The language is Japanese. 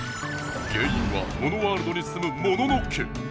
原いんはモノワールドにすむモノノ家！